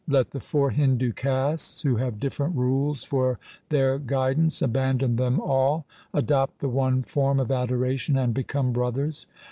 Let the four Hindu castes who have different rules for their guidance abandon them all, adopt the one form of adoration, and become brothers.